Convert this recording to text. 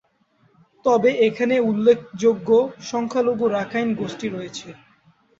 তবে, এখানে উল্লেখযোগ্য সংখ্যালঘু রাখাইন গোষ্ঠী রয়েছে।